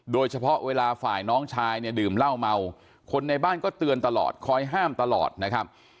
เวลาฝ่ายน้องชายเนี่ยดื่มเหล้าเมาคนในบ้านก็เตือนตลอดคอยห้ามตลอดนะครับ